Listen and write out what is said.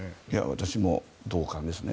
私も同感ですね。